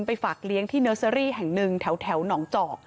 ฝากเลี้ยงที่เนอร์เซอรี่แห่งหนึ่งแถวหนองจอก